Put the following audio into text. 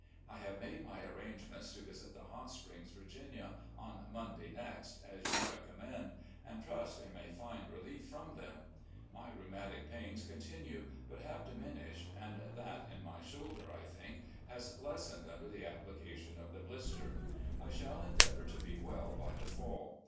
I have made my arrangements to visit the Hot Springs, Virginia, on Monday next, as you recommended, and trust I may find relief from them. My rhetunatic pains continue, but have diminished, and that in my shoulder, I think, has lessened tmder the application of the blister. I shall endeavour to be well by the fall.